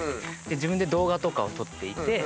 自分で動画とかを撮っていて。